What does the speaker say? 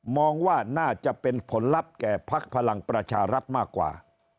ว่าน่าจะเป็นผลลัพธ์แก่ภักดิ์พลังประชารัฐมากกว่า